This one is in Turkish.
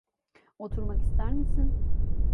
Oturmak ister misin?